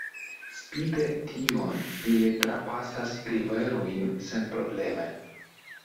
Spite tion, ili trapasas riverojn senprobleme.